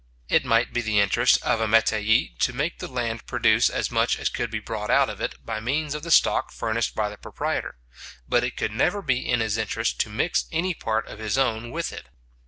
It might be the interest of a metayer to make the land produce as much as could be brought out of it by means of the stock furnished by the proprietor; but it could never be his interest to mix any part of his own with it.